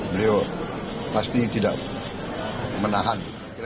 beliau pasti tidak menahan